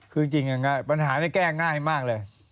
คือจริงปัญหานี้แก้ง่ายมากเลย